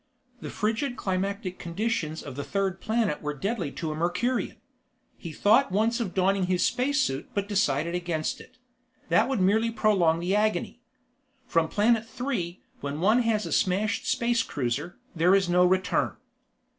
The frigid climatic conditions of the third planet were deadly to a Mercurian. He thought once of donning his space suit but decided against it. That would merely prolong the agony. From Planet Three, when one has a smashed space cruiser, there is no return.